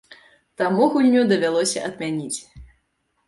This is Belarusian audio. Таму гульню давялося адмяніць.